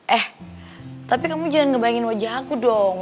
eh tapi kamu jangan ngebayangin wajah aku dong